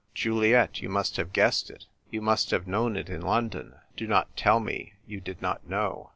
Juliet, you must have guessed it ; you must have known it in London. Do not tell me you did not know.